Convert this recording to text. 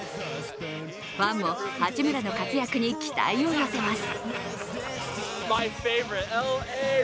ファンも八村の活躍に期待を寄せます。